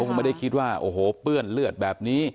คงไม่ได้คิดว่าโอ้โหเปื้อนเลือดแบบนี้